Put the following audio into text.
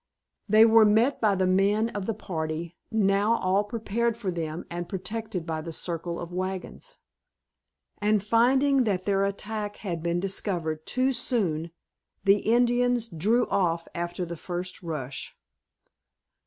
They were met by the men of the party, now all prepared for them and protected by the circle of wagons. And finding that their attack had been discovered too soon, the Indians drew off after the first rush.